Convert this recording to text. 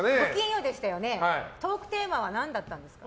トークテーマは何だったんですか。